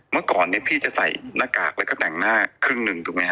เมื่อก่อนเนี่ยพี่จะใส่หน้ากากแล้วก็แต่งหน้าครึ่งหนึ่งถูกไหมฮ